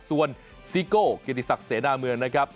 ส่วนซิโก้เกียรติศักดิ์เสนาเมืองนะครับ